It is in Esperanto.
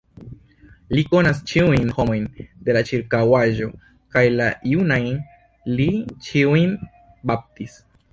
Li konas ĉiujn homojn de la ĉirkaŭaĵo kaj la junajn li ĉiujn baptis.